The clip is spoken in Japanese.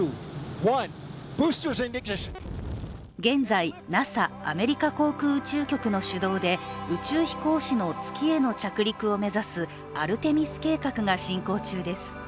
現在、ＮＡＳＡ＝アメリカ航空宇宙局の主導で宇宙飛行士の月への着陸を目指すアルテミス計画が進行中です。